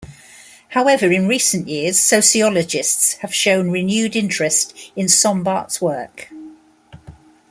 However, in recent years sociologists have shown renewed interest in Sombart's work.